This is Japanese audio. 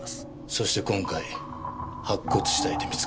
そして今回白骨死体で見つかった。